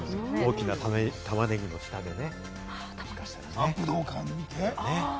大きな玉ねぎの下でね。